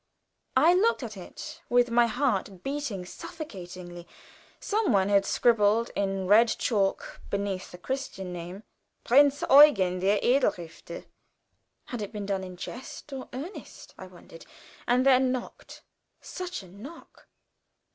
I looked at it with my heart beating suffocatingly. Some one had scribbled in red chalk beneath the Christian name, "Prinz Eugen, der edle Ritter." Had it been done in jest or earnest? I wondered, and then knocked. Such a knock!